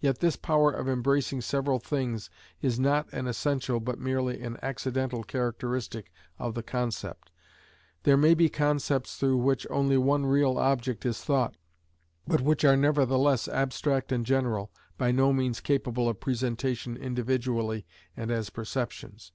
Yet this power of embracing several things is not an essential but merely an accidental characteristic of the concept. There may be concepts through which only one real object is thought, but which are nevertheless abstract and general, by no means capable of presentation individually and as perceptions.